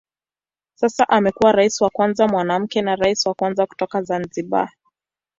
Sasa amekuwa rais wa kwanza mwanamke na rais wa kwanza kutoka Zanzibar.